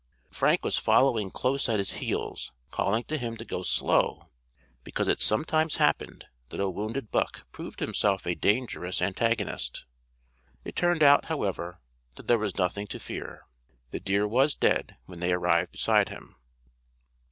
Frank was following close at his heels, calling to him to go slow, because it sometimes happened that a wounded buck proved himself a dangerous antagonist. It turned out, however, that there was nothing to fear. The deer was dead when they arrived beside him.